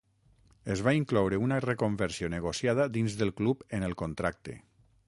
Es va incloure una reconversió negociada dins del club en el contracte.